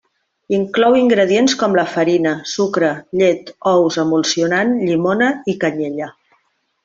Inclou ingredients com la farina, sucre, llet, ous, emulsionant, llimona i canyella.